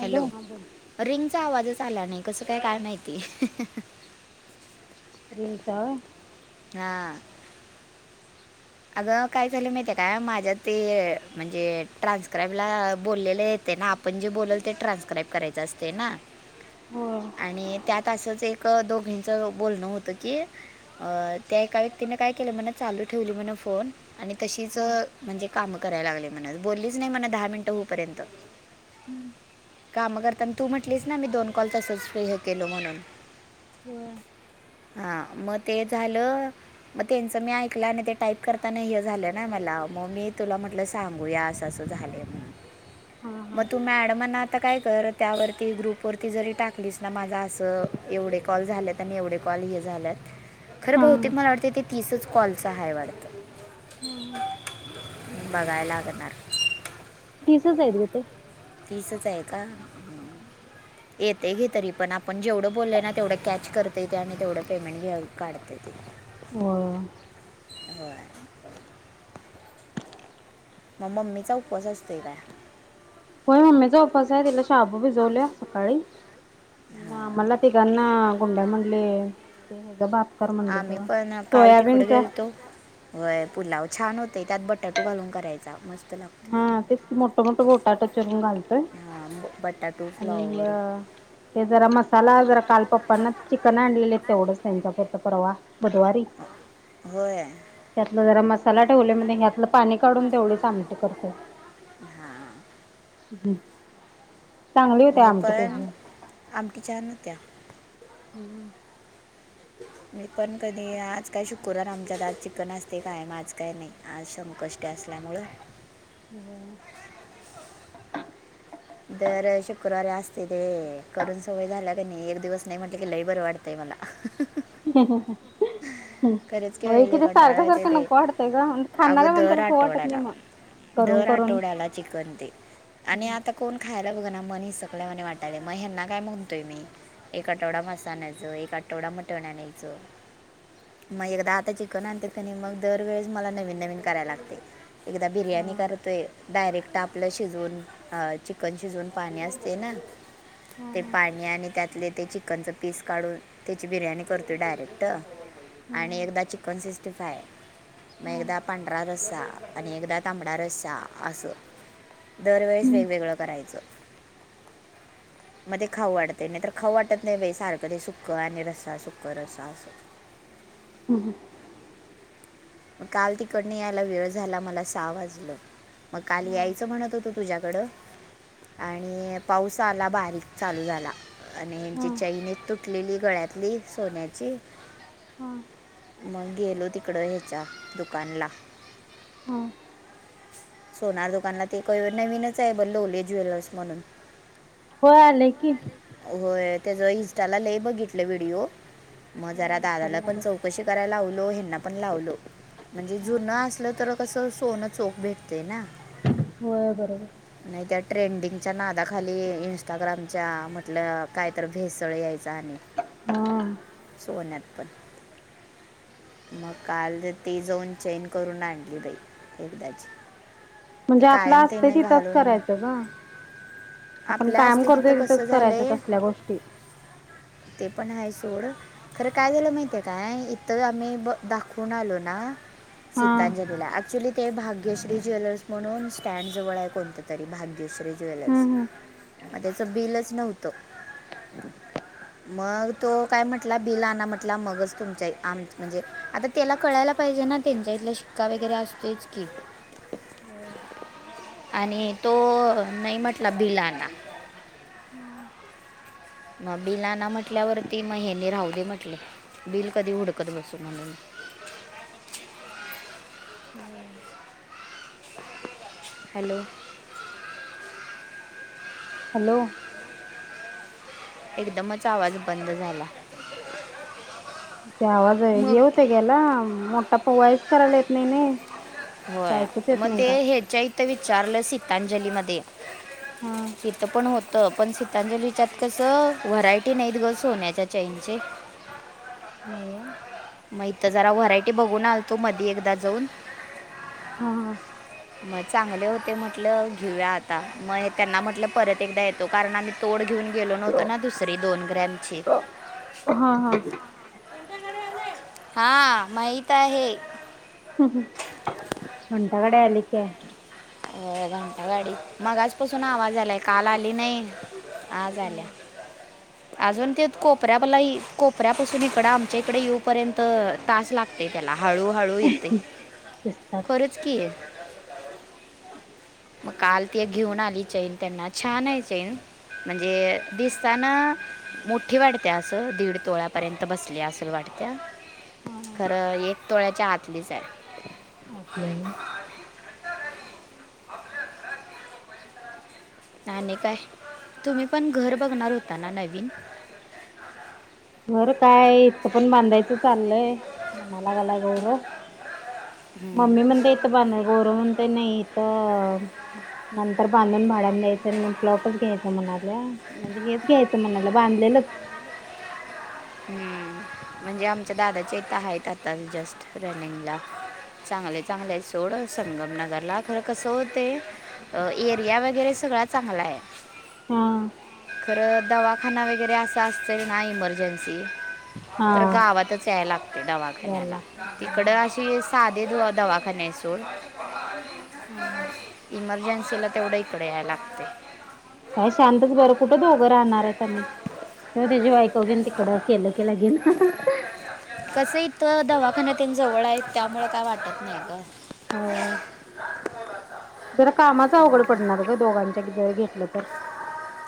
Hello हां बोल. रिंगचा आवाजच चाला नाही कसं काय काय माहीती रिंगचा होय. हा अगं काय झालं माहिती काय माझ्या ते म्हणजे ट्रान्स्क्राईब ला बोललेले आहेत आपण जे बोल ते ट्रान्स्क्राईब करायच असते ना होय आणि त्या तसंच एक दोघींचं बोलणं होतं की अ त्या एका व्यक्तीने काय केलं म्हणा चालू ठेवली म्हण फोन आणि तशीच म्हणजे काम करायला लागले म्हण बोललीच नाही म्हणा दहा मिनटं होऊपर्यंत हम्म काम करता तू म्हटलीस ना मी दोन कॉल तसच हे केलो म्हणून होय हा मग ते झालं मग त्यांच मी ऐकलं आणि टाईप करताना हे झालं ना मला मग मी तुला म्हटलं सांगूया अस असं झालय म्हणून हा हा मग तू मॅडमना आता काय कर त्यावरती ग्रुपवरती जरी टाकलीस ना माझा असं एवढे कॉल झाले आणि एवढे कॉल हे झाल्यात खर हा बहुतेक मला वाटत तीसच कॉल हाय वाटत होम बघायला लागणार तिसच आहेत ग ते तीसच आहे का येते ग तरी पण आपण जेवढं बोललंय ना तेवढं कॅच करता येते आणि तेवढं पेमेंट घेऊ काढतय ते हो होय मग मम्मीचा उपवासअसतोय काय मम्मीचा उपास आहे तिला शाबू भिजवल्या सकाळी ना हां आम्हाला तिघांना गुंड्या म्हणले ते हचा बाप आम्ही पण काल तिकड गेलतो वय पुलाव छान होते त्यात बटाटू घालून करायचा मस्त हा लागतो तेच कि मोठं मोठं बटाटू चीरून घालतोय. हां ब- बटाटू आणि फ्लॉवर ह. ते जरा मसाला जरा काल पप्पांना चिकन आणलेले तेवढंच त्यांच्यापरत परवा बुधवारी होय. त्यातला जरा मसाला ठेवले म्हण ह्या पाणी काढून तेवढीच आमटी करतोय हां ह ने पाळण आमटी छान हुत्या. हो. ते मी पण कधी आज काय शुक्रवार आमच्या आज चिकन असतय कायम आज काय नाही आज संकष्टी असते. उणांमुळ होम्. हे करून सवय झाल्या क नी एक दिवस नाही म्हटलं की लईबर वाढतंय मला ह ह ह. खरेच कि ब ई लय कंटाळा येत सारखं ते नको वाटतंय ग खाणाऱ्या अगं दर माणसाला खाऊ वाटत नाही आठवड्याला मग. करून दर करून आठवड्याला चिकन ते आणि आता कोण खाय. बघ ना मन हिसकल्यावनी वाटालय म ह्यांना काय म्हणतोय मी एक आठवडा मास आणायच एक आठवड मटण आणायच. मग एकदा आता चिकन आणल कनी मग दरवेळेस मला नवीन नवीन करायला लागतय. एकदा बिर्याणी करतोय डायरेक्ट आप लय शिजुन अ चिकन शिजुन पाणी असते ना ते पाणी आणि त्यातले त्याची चिकन च पीस काढून त्याची बिर्याणी करतो डायरेक्ट आणि एकदा चिकन सिकस्टी फ्राय मग एकदा पांढरा र चा एकदा तांबड रस्सा असं. दरवेळेस वेगवेगळं करायचं. मध्ये ते खाऊ वाटते नाही तर खाऊ वाटत नाही बाई सारखं ते सुकं आणि रस्सा सुख रसा असं हम् ह काल तिकडन यायला वेळ झाला मला सहा वाजलं. मग काल यायचं म्हणत होतो तुझ्याकडं आणि पाऊस आला बारीक चालू झाला. आणि ह्यांची चैन एक तुटलेली गळ्यातली सोन्याची मग गेलो तिकडं ह्याच्या दुकानला सोनार दुकानला ते नवीनच आहे लवले ज्वेलर्स म्हणून हो आलेय की त्याज इस्टांला बघितलं व्हिडिओ मग जरा होय दादाला इंस्टाला पण आलंय. चौकशी करायला लावलो ह्यांना पण लावलो म्हणजे जुन असलं तर कस सोनं चोख भेटते ना. होय बरोबर. नाही त्या ट्रेंडिंगच्या नादाखाली इंस्टाग्रामच्या मदल्या काय तर भेसळ याय जाणे हा सोन्यात पण मग काल ती जाऊन चैन करून आणली बाई एकदाची. ते म्हणजे कायम आपलं असत त्यांनी तिथंच घालून करायचं ग. आपण आपल्या कायम असते तिथं करतोय कसं तिथंच करायचं झालंय तसल्या गोष्टी. ोड खरं काय झालं माहितीये काय इथं आम्ही दाखवून आलो ना. हा शीतांजलीला ऐक्चुली ते भाग्यश्री ज्वेलर्स म्हणून स्टॅड जवळ आहे कोणत तरी भाग्यश्री ज्वेलर्स. हम्म हम्म. अ त्याचं बिलच नव्हतं. मग तो काय म्हटला बील आता म्हटला मगच तुमच्या आम म्हणजे आता त्याला कळायल. पाहिजे ना त्यांचा इथला शिक्का वगैरे असतोयच की. आणि तो नाही म्हटला बिलाना आणा [inaudible] मग बिल आना म्हटल्यावरती म हेनी राहू दे म्हटले बिल कधी उडकत बसून म्हणुण हॅलो हॅलो एकदमच आवाज बंद झाला ते आवाज मग ये होत ग्याला मोठा पवायस करायला येत नाही ना होय मग ते ह्याच्या इथं विचारलं सीतांजली मध्ये हा तिथं पण होत पण सीतांजलीच्यात कसं व्हरायटी नाहीत ग सोन्याच्या ईनचे नाही व मग इथ जरा व्हरायटी बघून आलतो मधी एकदा जाऊन हा हा मग चांगले होते म्हटलं घेऊया आता मग त्यांना म्हटलं परत एकदा येतो कारण आम्ही तोड घेऊन गेलो नव्हतो ना दुसरी दोन ग्रॅमची हा हा हा माहित आहे ह ह उंट कडे आलीक अ घंटा गाडी मगाजपसून आवाज आलाय काल आली नाही आजज आल्या अजून ते कोपऱ्याला कोपऱ्यापासून इकड आमच्या इकडे येऊपर्यंत तास लागते त्याला हळू हळू येते शिस्तात खरंच की आहे मग काल ती घेऊन आली चैन त्यांना छान आहे चैन म्हणजे दिसताना मोठी वाटते असं दीड तोळा्यापर्यंत बसली अस वाटते. हा हा खरं एक तोळ्याच्या आतलीच आहे. [unintelligible] आप नाही काय तुम्ही पण घर बघणार होता ना नवीन खर काय इथथं पण बांधायचं चाललंय म्हणाला गलाय गौरव मम्मी म्हणते इथं बांधणार गोरव म्हणत नाही इथ नंतर बांधून भाड्याना द्यायचं आणि प्लॉटच घ्यायचं म्हणाल्या म्हणजे हेच घ्यायचं म्हणाल्या बांधलेलंच ह हम्म म्हणजे आमच्या दादा ता आहेत आता जस्ट रनिंगला चांगले चांगले सोड संगम नगर ला खरं कसं होते एरिया वगैरे सगळा चांगला आहे हा खरं दवाखाना वगैरे अस असत ना इमर्जन्सी हा गावातच या लागते यायला दवाखान्याला लागतं हा तिकड हा अ साध द दूवाता वाखा नाहीसर हा हा ला तेवढ्याहीकडे याय लागते काय शांतच बरं कुठं दोघं राहणार आहे त्यांनी तेव त्याची बायकव घेन तिकडं केलं केलं गेन कसं इथ दवाखाना न ते जवळ आहे. त्यामुळे काय वाटत नाही ग. होय जरा कामाच अवघड पडणार ग दोघांच्या क जरी घेतलं तर.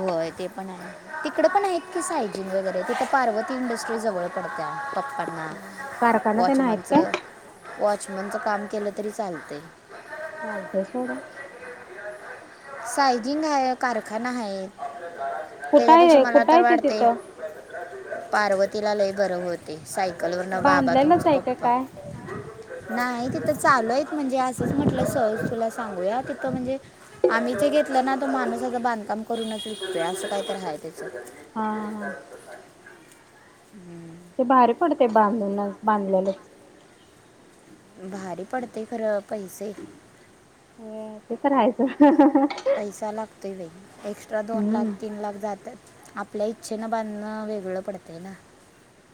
होय ते पण आहे. तिकडे पण आहेत की सायजिन वगैरे तिथं पार्वती इंडस्ट्री जवळ पडत्या. हा [unintelligible] कारखाना ते नाहीत वॉचमनच काय [unintelligible] बीचमनच काम केलं तरी चालतय. चालतंय सोड. सायजिंग हाये. कारखाना आहेत. कुठं त्याच्यापेक्षा आहे मला कुठं तर आहे ते वाटतय तिथं पार्वतीला लई बर होते. सायकल वर न बाबा बांधलेलंच तुमचा आहे का पप्पा- काय नाही तिथं चालूयत म्हणजे असंच म्हटलं सहज तुला सांगूया तिथं म्हणजे आम्ही चे - क घेतला ना तो माणूस अस बांधकाम करूनच विकतोय, असं काहीतर आह. हा, हा, हा. हम्म. ते भारी पडतय बांधूनच, बांधलेलंच. भारी पडतय खरं पैसे- होय ते तर हायचं. पैसा लागतोय बाई. एक्स्ट्रा दोन हम्म लाख, तीन लाख जातात,, आपल्या इच्छेनं बांधणं वेगळं पडतंय ना!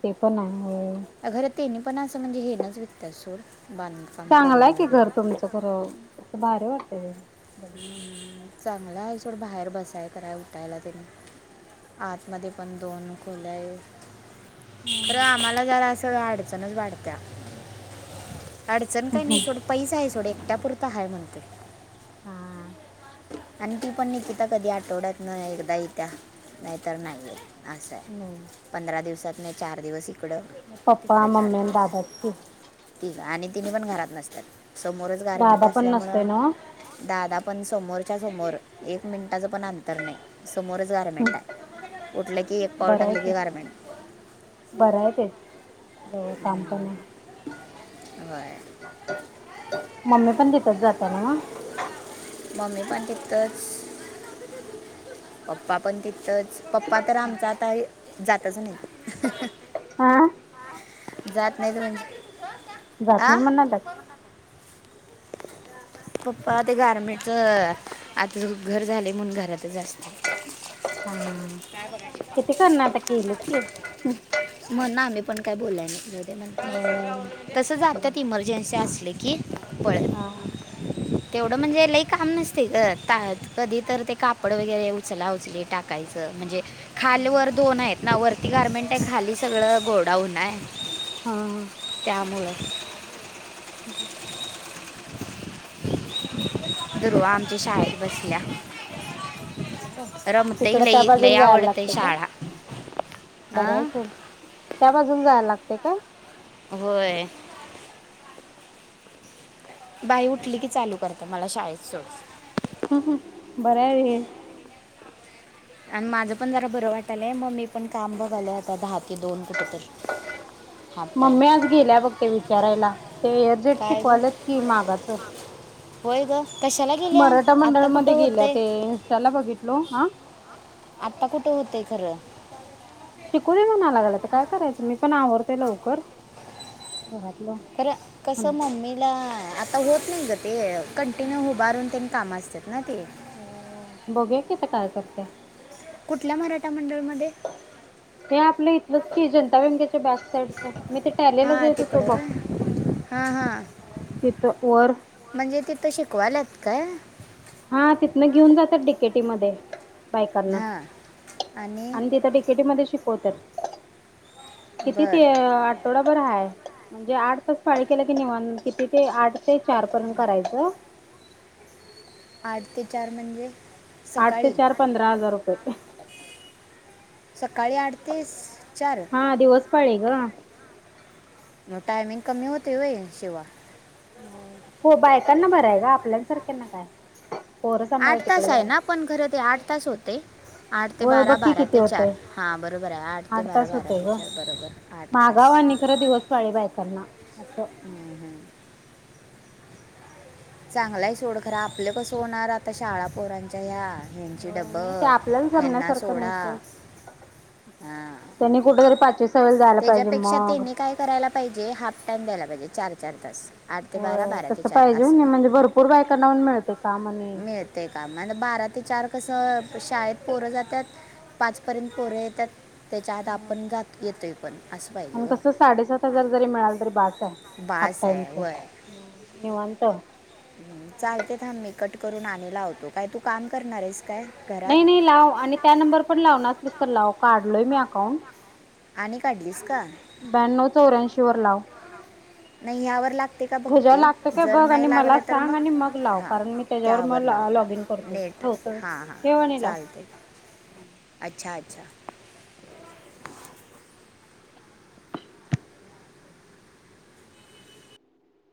ते पण आहे, होय खरं त्यांनी पण असं म्हणजे हे नच विकत्यात सोड, बांधकाम करून चांगलंय की घर वगैरे तुमचं खर,, भारी वाटतय ते बगायऽ हम्म, चांगलं आहे सोड, बाहेर बसाय कराय उठायला त्यांनऽ आतमध्ये पण दोन खोल्याय, खर हम्म. आम्हाला जरा असं अडचणच वाढत्या. अडचण काही नाही हम्म. सोडं पैस आहे, सोडं एकट्या पुुरतं आहे म्हणतोयऽ हा आणि ती पण निकिता कधी आठवड्यात न एकदा येतीया, नाहीतर नाहीयेत. असं आहे, नाही पंधरा दिवसात नाही चार दिवसऽ तिकड, पप्पा तिकडे चार मम्मी आणि दादाच की दिवस त आणि तिने पण घरात नसतात. समोरच गारमेंट दादा पण असल्यामुंळ, नसतोय ना दादा पणऽ समोरच्या समोर, एक मिनिटाचं पण अंतर नाही, समोरच गारमेंट आह. एक पाउल बरं आहे टाकलीे कि की गारमेट. बरं आहे तेच,, जवळ काम पण आह. होय मम्मी पण तिथच जात्या ना म,, मम्मी पन तितचऽ पप्पा पण तिथंच, पप्पा तर आमचा आता जातच नाहीऽ हा? जात नाहीत म्हणजे- जात आ नाही म्हणना त्यात. [inaudible] पप्पा ते गार्मेंटच, आता घर झालेय म्हणून घरातच असत्यात. हा. किती कर्नाटक येले तीऽ म्हणून आम्ही पण काय बोलाय नाही,, म्हण तस जात्यात इमर्जन्सी असली कीऽ पन, हा हा हा. तेवढं म्हणजे एक लाईकऽ काम नसतय ग, कधी तर ते कापड वगैरे उचला उचली, टाकायचं म्हणजेऽ खाली वर दोन आहेत ना? वरती गार्मेंट आहे. खाली सगळं गोडाउन आह. हा हा त्यामुळं. दुर्वा आमच्या शाळेत बसल्या. बसल्या व्हय, तिकड रमतही त्या लई लई बाजूून जायला आवडते लागतय का? शाळा बर आहे हां सोड,, त्या बाजून जायला लागते काय? होय, बाई उठली की चालू करत्या, मला शाळेत सोडऽ ह, बरय हे. आणि माझं पण जरा बरं वाटालंय, मग मी पण काम बघालोय आता दहा ते दोन कुठ तरऽ हा, मम्मी आज गेल्या बघ, ते विचारायला ते एअरजेट काय ग शिकवायलेत की मागाचंऽ होय ग कशाला गेल्या आता कुठं मंडळमध्ये गेल्या हुतय? ते इन्स्टाला बघितलो हा आता कुठं होतय खरं? शिकू दे म्हणा लागलात, आता काय करायचं, मी पण आवरतोय लवकर. घरातलं खर, कस मम्मीला आऽऽ आ होत नाही ग ते कंटिन्यू उभारून त्यांनी कामा असतात ना ते हो बघू किथ काय करते कुठल्या मराठा मंडळमध्ये? बसकी जनता मेम त्याच्या बॅक साईडचा. मी ते हां टॅलीलाजात होतो बघ तिकडं हां हां तिथ वर. ते शिकवाल्यात काय? हा तिथनं घेऊन जातात डी. के. टी. मध्ये बायकांना. हां आणि तिथं डी. के. टी. मध्ये शिकवतात. किती ते बरं आठवडाभर हाय. म्हणजे आठ तास पाळी केला कि निवा किती ते आठ ते चार पर्यंत करायचं. आठ ते चार म्हणजे? आठ ते सकाळी चार पंधरा हजार रुपये. काळी आठतीस चार. हा दिवस पाळी ग. मग टायमिंग कमी होते व्हय शिवा. हो बायकांना बरं हाय ग, आपल्यासारख्यांना काय? पोरं सांभाळ आठ तिकडे तास आहे जाय. ना पण खरं ते आठ तास होते. आठ ते होय बारा, बघ की बारा किती ते चार होतय हा बरोबर आहे आठ ते बारा, बारा ते चार बरोबर आठ तास. मानी खरा दिवस पाळी बायकना असं. हम्म, हम्म. चांगलाय सोड खरं आपलं कसं होणार आता शाळा पोरांच्या ह्या ह्यांचे होय नाही ते डबल आपल्याला यांना जमण्यासारखं नाही सोडा सोड. हां त्यांनी कुठेतरी पाचवीस त्याच्यापेक्षा त्यांनी काय करायला पाहिजे हाफ टाइम द्यायला पाहिजे चार चार तास आठ ते बारा होय बारा ते तसं चार पाहिजे असं होय म्हणजे भरपूर बायकांना पण मिळते काम आणि मिळते का म्ह बारा ते चार कस शाळेत पोरं जातात पाच पर्यंत पोरं येतात. त्याच्या आता आपण जात येतोय. पण असं पाहिजे आणि ग कस साडेसात हजार जरी मिळाल तरी बास आहे. हाफ बास टाईमच आहे वय निवत. चालते थांब मी कट करून आणि लावतो काय तू काम करणार आहेस? काय नाही घरात नाही लाव आणि त्या नंबर पण लावणार असलीस तर लाव काढलोय मी अकाउंट. आणि काढलीस का? ब्याण्णव चौऱ्यांशी वर लाव. नाही यावर लाग ह्याज लागतो काय बघ आणि मला सांग आणि मग लाव हां कारण मी त्याच्यावर मग त्यावर लॉग इन लावतो करतो. नेट होतं हां हां ठेव आणि लाव. चालते अच्छा अच्छा.